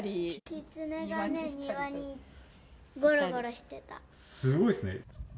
キツネがね、すごいですね。